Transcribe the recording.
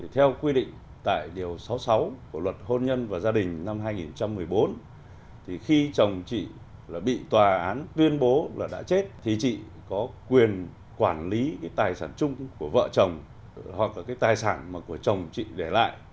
theo quy định tại điều sáu mươi sáu của luật hôn nhân và gia đình năm hai nghìn một mươi bốn khi chồng chị bị tòa án tuyên bố đã chết thì chị có quyền quản lý tài sản chung của vợ chồng hoặc tài sản của chồng chị để lại